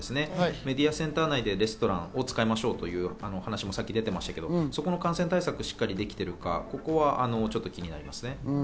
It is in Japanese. メディアセンター内でレストランを使いましょうという話がさっき出てましたが、そこの感染対策がしっかりできているか気になります。